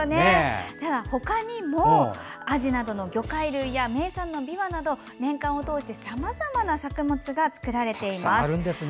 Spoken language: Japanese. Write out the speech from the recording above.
他にも、あじなどの魚介類や名産のビワなど年間を通して、さまざまな作物が作られています。